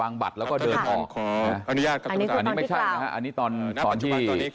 อันนี้ไม่ใช่นะครับอันนี้ตอนตอนที่